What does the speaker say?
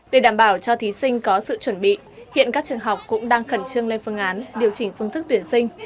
để đảm bảo cho thí sinh có sự chuẩn bị hiện các trường học cũng đang khẩn trương lên phương án điều chỉnh phương thức tuyển sinh